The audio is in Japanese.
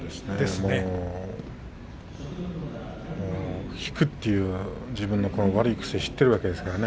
もう引くというのは自分の悪い癖知っているわけですからね。